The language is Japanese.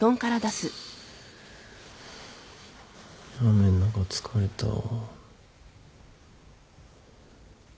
雨ん中疲れたわ。